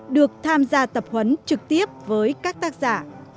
được tham gia tập huấn trực tiếp với các tác giả